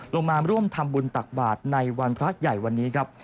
ลงมาร่วมทำบุญตักบาทในวันพระใหญ่วันนี้ครับ